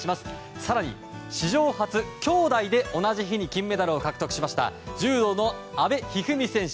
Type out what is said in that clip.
更に史上初、兄妹で同じ日に金メダルを獲得しました柔道の阿部一二三選手